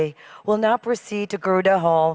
akan berterus terang di geruda hall